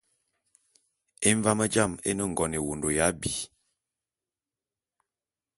Emvám jām é ne ngon ewondo ya abi.